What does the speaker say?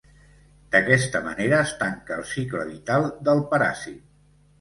D'aquesta manera es tanca el cicle vital del paràsit.